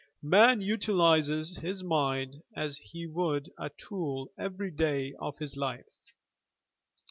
Man utilizes his mind as he would a tool every day of his life.